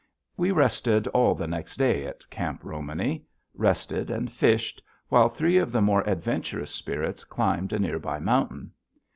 We rested all the next day at Camp Romany rested and fished, while three of the more adventurous spirits climbed a near by mountain.